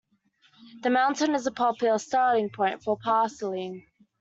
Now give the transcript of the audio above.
The mountain is a popular starting point for parasailing.